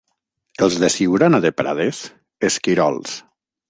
Els de Siurana de Prades, esquirols.